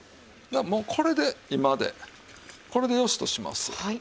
もうこれで今でこれでよしとします。